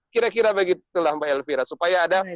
kira kira begitulah mbak elvira supaya ada